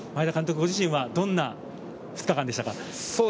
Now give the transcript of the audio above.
ご自身はどんな２日間でしたか？